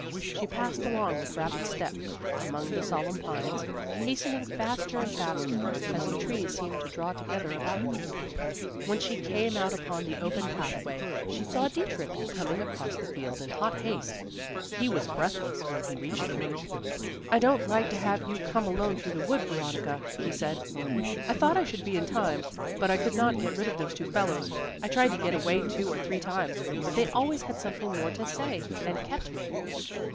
She passed along with rapid step, among the solemn pines, hastening faster and faster, as the trees seemed to draw together about her. When she came out upon the open pathway, she saw Dietrich coming across the field in hot haste. He was breathless when he reached her. "I don't like to have you come alone through the wood, Veronica," he said, "I thought I should be in time, but I could not get rid of those two fellows. I tried to get away two or three times, but they always had something more to say, and kept me."